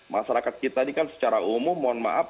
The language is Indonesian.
masyarakat kita ini kan secara umum mohon maaf